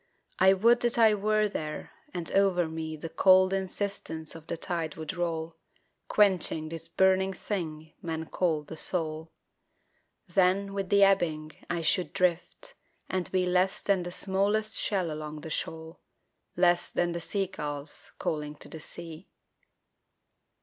I would that I were there and over me The cold insistence of the tide would roll, Quenching this burning thing men call the soul, Then with the ebbing I should drift and be Less than the smallest shell along the shoal, Less than the sea gulls calling to the sea.